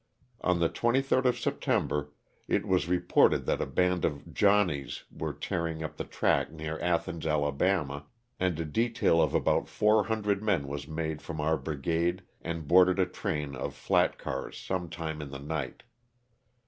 On the 23d of September it was reported that a band of " Johnnies '* were tearing up the track near Athens, Ala., and a detail of about 400 men was made from our brigade and boarded a train of flat cars some time in the night.